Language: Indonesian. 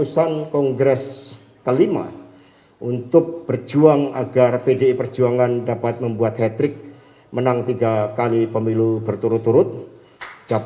sampai jumpa di video selanjutnya